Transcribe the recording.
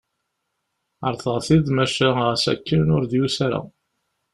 Ɛerḍeɣ-t-id maca ɣas akken, ur d-yusa ara.